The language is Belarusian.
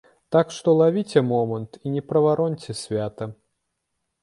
Так што лавіце момант і не правароньце свята!